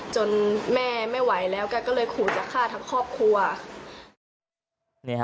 จนแม่ไม่ไหวแล้วก็เลยขูดจะฆ่าทั้งครอบครัวเนี่ยฮะ